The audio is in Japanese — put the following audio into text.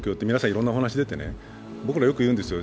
いろんなお話が出てね、僕らよく言うんですよ。